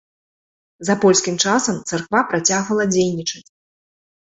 За польскім часам царква працягвала дзейнічаць.